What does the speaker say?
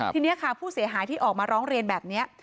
ทีนี้ค่ะผู้เสียหายที่ออกมาร้องเรียนแบบนี้